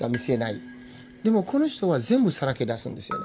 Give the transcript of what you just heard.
でもこの人は全部さらけ出すんですよね。